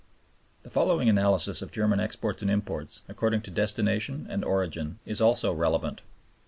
The following analysis of German exports and imports, according to destination and origin, is also relevant.